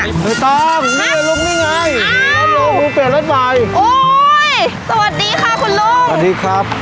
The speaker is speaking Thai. ใบตองนี่ลุงนี่ไงรถลงคือเปลี่ยนรถใหม่โอ้ยสวัสดีค่ะคุณลุงสวัสดีครับ